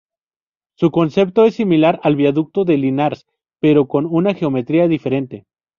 Su concepto es similar al viaducto de Llinars pero con una geometría diferente.